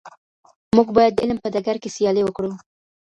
موږ باید د علم په ډګر کي سیالي وکړو.